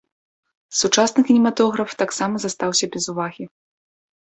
Сучасны кінематограф таксама застаўся без увагі.